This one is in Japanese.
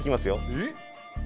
えっ？